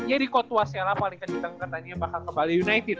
ya di kot wasela paling kenceng katanya bakal ke bali united